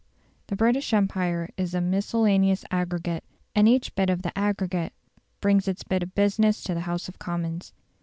The British Empire is a miscellaneous aggregate, and each bit of the aggregate brings its bit of business to the House of Commons.